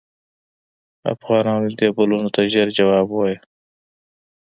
افغانانو دې بلنو ته ژر جواب ووایه.